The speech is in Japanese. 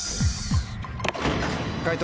解答